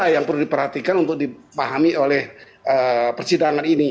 yang perlu diperhatikan untuk dipahami oleh persidangan ini